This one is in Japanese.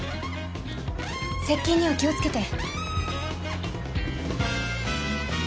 接近には気を付けて。